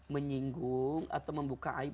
menyinggung atau membuka aib